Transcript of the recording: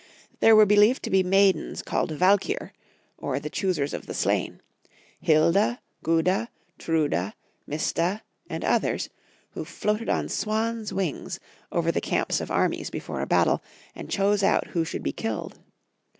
There were believed to be maidens called Valkyr, or the choosers of the slain — Hilda, Guda, Truda, Mista, and others — who floated on swan's wings over the camps of armies before a battle and chose out who should be kUled.